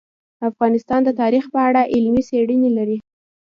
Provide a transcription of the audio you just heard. افغانستان د تاریخ په اړه علمي څېړنې لري.